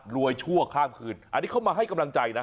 ชั่วข้ามคืนอันนี้เข้ามาให้กำลังใจนะ